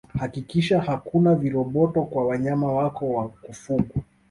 Hakikisha hakuna viroboto kwa wanyama wako wa kufugwaa